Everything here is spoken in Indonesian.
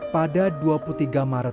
pada dua puluh tiga maret dua ribu sepuluh